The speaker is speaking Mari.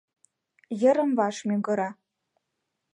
Йырым-ваш мӱгыра...